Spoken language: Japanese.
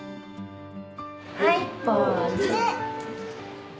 はいポーズ！